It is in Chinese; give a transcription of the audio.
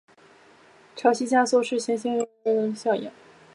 潮汐加速是行星与其卫星之间潮汐力的效应。